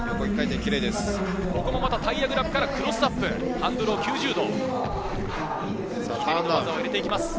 またタイヤグラブからクロスアップ、ハンドル９０度。